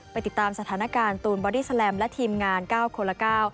ไปติดตามสถานการณ์ตูนบอดี้แซลมและทีมงานเก้าคนละเก้า